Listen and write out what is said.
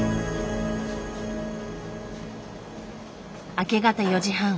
明け方４時半。